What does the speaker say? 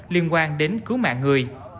liên quan đến cứu mạng người